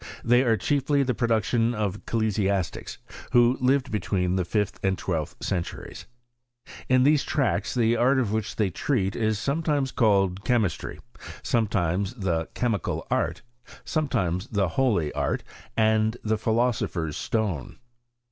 They are chiefly the production of ecclesiastics, who lived between the fifth and twelfth centuries. In these tracts, the art of which they treat is sometimes called chemistry (xnfuta) I sometimes the chemical art (x^fttvruca) l sometimes the holy art ; and the philosophers stone.